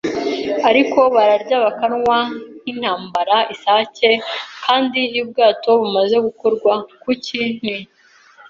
ariko bararya bakanywa nkintambara-isake, kandi iyo ubwato bumaze gukorwa, kuki, ni